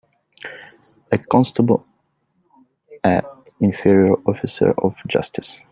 A constable an inferior officer of justice.